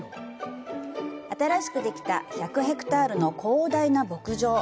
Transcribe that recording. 新しくできた１００ヘクタールの広大な牧場。